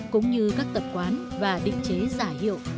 cũng như các tập quán và định chế giả hiệu